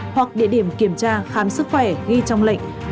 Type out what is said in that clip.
hoặc địa điểm kiểm tra khám sức khỏe ghi trong lệnh